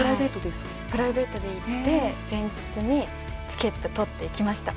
プライベートで行って前日にチケットを取って行きました。